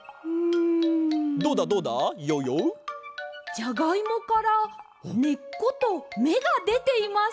じゃがいもからねっことめがでています。